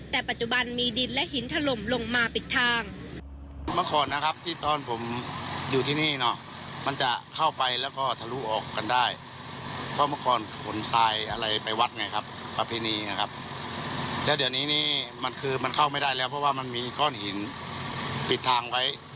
แต่ปัจจุบันมีดินและหินถล่มลงมาปิดทางไว้